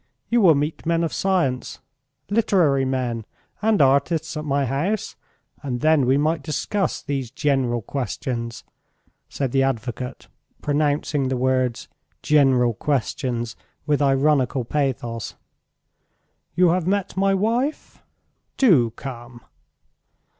You will meet men of science, literary men, and artists at my house, and then we might discuss these general questions," said the advocate, pronouncing the words "general questions" with ironical pathos. "You have met my wife? Do come."